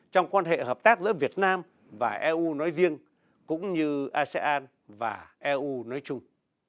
trong quan hệ hợp tác giữa việt nam và eu nói riêng cũng như asean và eu nói chung